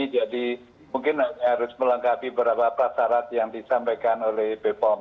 jadi mungkin harus melengkapi beberapa persyarat yang disampaikan oleh bepom